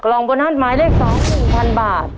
กล่องโบนัสหมายเลข๒๑๐๐๐บาท